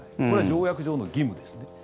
これは条約上の義務ですね。